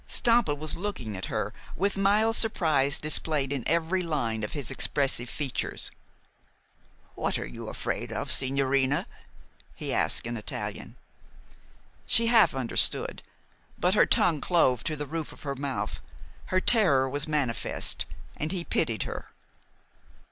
Stampa was looking at her, with mild surprise displayed in every line of his expressive features. "What are you afraid of, sigñorina?" he asked in Italian. She half understood, but her tongue clove to the roof of her mouth. Her terror was manifest, and he pitied her.